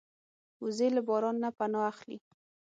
وزې له باران نه پناه اخلي